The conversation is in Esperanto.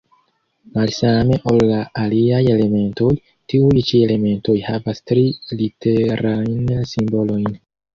Malsame ol la aliaj elementoj, tiuj ĉi elementoj havas tri-literajn simbolojn.